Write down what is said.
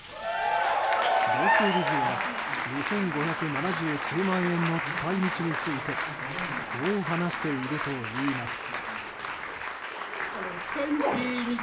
男性理事は２５７９万円の使い道についてこう話しているといいます。